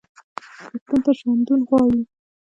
پښتون ته ژوندون غواړو.